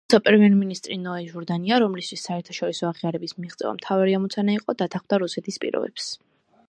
თუმცა პრემიერ-მინისტრი ნოე ჟორდანია, რომლისთვის საერთაშორისო აღიარების მიღწევა მთავარი ამოცანა იყო, დათანხმდა რუსეთის პირობებს.